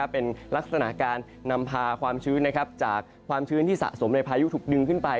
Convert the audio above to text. เป็นลักษณะการนำพาความชื้นจากความชื้นที่สะสมในพายุถูกดึงขึ้นไป